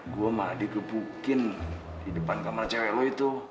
gue sama adi gepukin di depan kamar cewek lo itu